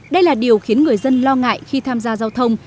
đây là điều khiến người dân lo ngại khi tham gia giao thông